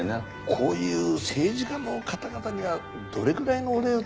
こういう政治家の方々にはどれぐらいのお礼を包めば。